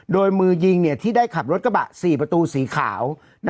โดยมือยิงที่ได้ขับรถกระบะ๔ประตูสีขาว